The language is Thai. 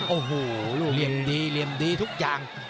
โอ้โหเรียบดีเรียบดีทุกอย่าง